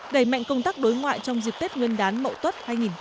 đẩy mạnh công tác đối ngoại trong dịp tết nguyên đán mậu tuất hai nghìn một mươi tám